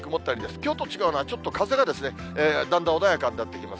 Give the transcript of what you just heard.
きょうと違うのはちょっと風がだんだん穏やかになってきます。